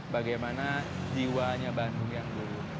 bagaimana jiwanya bandung yang dulu